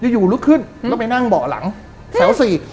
อยู่ลุกขึ้นแล้วไปนั่งบอร์ดหลังแถว๔